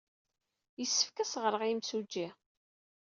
Yessefk ad as-ɣreɣ i yemsujji.